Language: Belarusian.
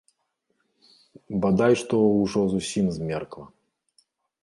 Бадай што ўжо зусім змеркла.